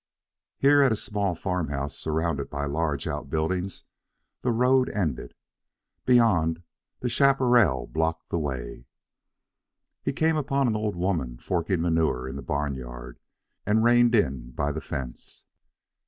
Here, at a small farm house surrounded by large outbuildings, the road ended. Beyond, the chaparral blocked the way. He came upon an old woman forking manure in the barnyard, and reined in by the fence.